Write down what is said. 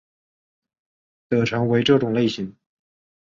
的常为这种类型。